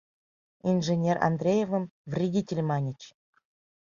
Инженер Андреевым «вредитель» маньыч.